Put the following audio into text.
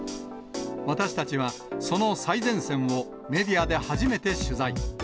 私たちは、その最前線をメディアで初めて取材。